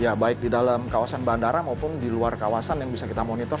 ya baik di dalam kawasan bandara maupun di luar kawasan yang bisa kita monitor